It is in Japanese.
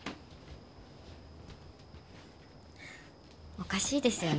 おかしいですよね。